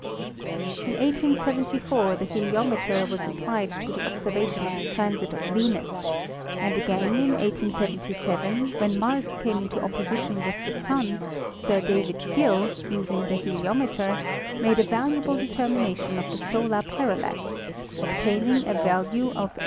In 1874 the heliometer was" applied to the observa tion of the transit of Venus, and again in 1877, when Mars came into opposition with the Sun, Sir David Gill, using the heliometer, made a valuable determination of the solar parallax, obtaining a value of 8.